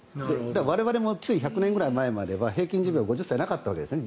我々もつい１００年ぐらい前までは平均寿命５０歳までなかったわけですね。